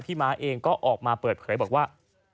ม้าเองก็ออกมาเปิดเผยบอกว่า